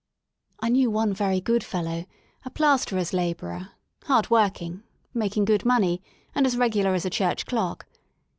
I knew one very good fellow, a plasterer's # labourer, hardworking, making good money, and as ! regular as a church clock.